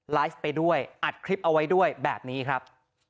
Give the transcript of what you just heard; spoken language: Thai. ไลฟ์ไปด้วยอัดคลิปเอาไว้ด้วยแบบนี้ครับ